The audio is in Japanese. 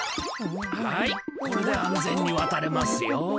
はいこれで安全にわたれますよ。